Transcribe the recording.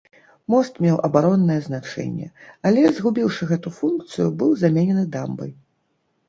Мост меў абароннае значэнне, але, згубіўшы гэту функцыю, быў заменены дамбай.